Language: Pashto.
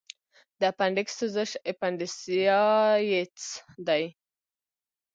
د اپنډکس سوزش اپنډیسایټس دی.